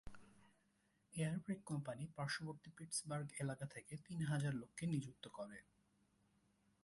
Air brake company পার্শ্ববর্তী Pittsburgh এলাকা থেকে তিন হাজার লোককে নিযুক্ত করে।